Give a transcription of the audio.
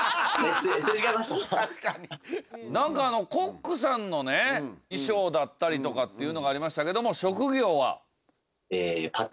何かコックさんのね衣装だったりとかっていうのがありましたけども。